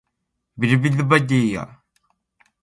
Durooɓe bukini na'i maɓɓe hikka law.